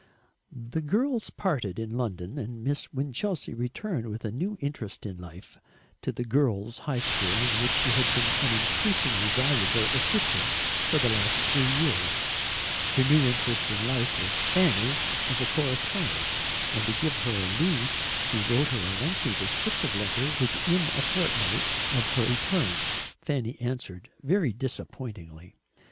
The girls parted in London, and Miss Winchelsea returned, with a new interest in life, to the Girls' High School in which she had been an increasingly valuable assistant for the last three years. Her new interest in life was Fanny as a correspondent, and to give her a lead she wrote her a lengthy descriptive letter within a fortnight of her return. Fanny answered, very disappointingly.